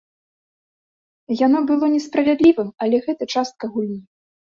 Яно было несправядлівым, але гэта частка гульні.